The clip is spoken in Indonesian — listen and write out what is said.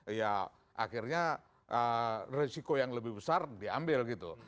ini ya akhirnya resiko yang lebih besar diambil gitu